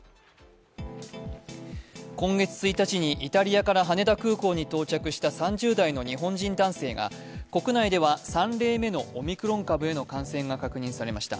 今月１日にイタリアから羽田空港に到着した３０代の日本人男性が国内では３例目のオミクロン株への感染が確認されました。